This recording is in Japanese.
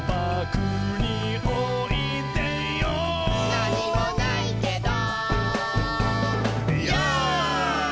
「なにもないけど」